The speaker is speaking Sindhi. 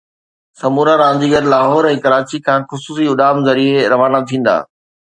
سمورا رانديگر لاهور ۽ ڪراچي کان خصوصي اڏام ذريعي روانا ٿيندا